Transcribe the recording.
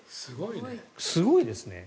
すごいですね。